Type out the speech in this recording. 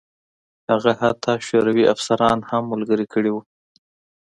هغه حتی شوروي افسران هم ملګري کړي وو